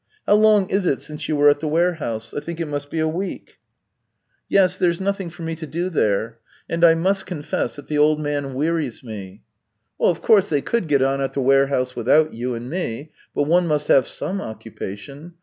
How long is it since you were at the warehouse ? I think it must be a week." 256 THE TALES OF TCHEHOV " Yes, there's nothing for me to do there. And I must confess that the old man wearies me." " Of course, they could get on at the warehouse without you and me, but one must have some occupation.